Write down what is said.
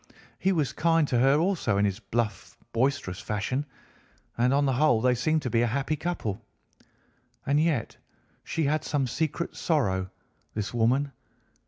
He was kind to her also in his bluff, boisterous fashion, and on the whole they seemed to be a happy couple. And yet she had some secret sorrow, this woman.